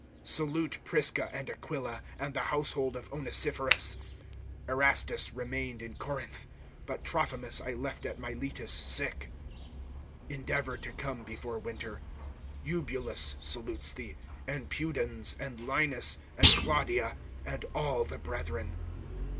(19)Salute Prisca and Aquila, and the household of Onesiphorus. (20)Erastus remained in Corinth, but Trophimus I left at Miletus sick. (21)Endeavor to come before winter. Eubulus salutes thee, and Pudens, and Linus, and Claudia, and all the brethren.